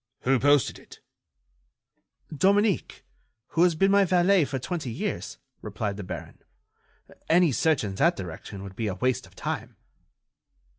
"Who posted it?" "Dominique, who has been my valet for twenty years," replied the baron. "Any search in that direction would be a waste of time."